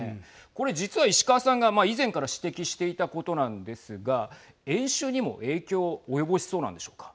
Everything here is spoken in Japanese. これ、実は石川さんが以前から指摘していたことなんですが演習にも影響を及ぼしそうなんでしょうか。